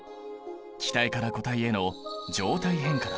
気体から固体への状態変化だ。